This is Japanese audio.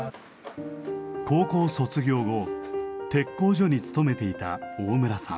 高校卒業後鉄鋼所に勤めていた大村さん。